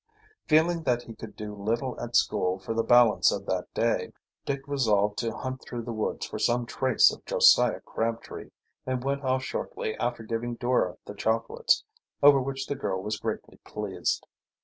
Feeling that he could do little at school for the balance of that day, Dick resolved to hunt through the woods for some trace of Josiah Crabtree, and went off shortly after giving Dora the chocolates, over which the girl was greatly pleased.